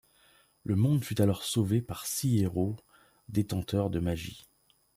Le monde fut alors sauvé par six héros, détenteurs de magie.